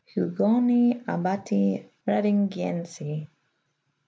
Hugoni abbati Readingiensi."